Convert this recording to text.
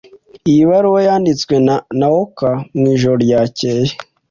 Iyi baruwa yanditswe na Naoko mwijoro ryakeye.